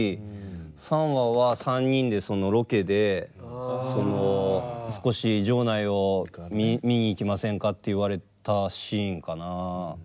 ３話は３人でロケで少し城内を見に行きませんかって言われたシーンかな。